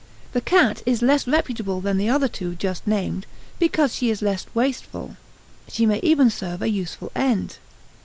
The cat is less reputable than the other two just named, because she is less wasteful; she may even serve a useful end.